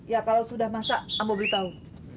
ya kalau sudah masak ambo beli tau